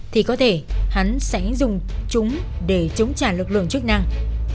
thì có thể hắn sẽ dùng chúng để chống trả lực lượng chức năng